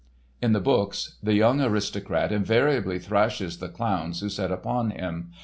In the books, the young aristocrat invariably thrashes the clowns who set upon him.